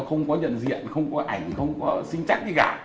không có nhận diện không có ảnh không có sinh chắc như gạo